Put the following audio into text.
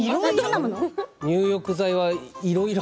入浴剤は、いろいろ。